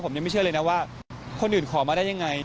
ผมยังไม่เชื่อเลยนะว่าคนอื่นขอมาได้ยังไง